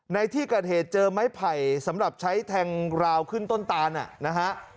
ในที่เกิดเหตุเจอไม้ไผ่สำหรับใช้แทงราวขึ้นต้นตานนะฮะ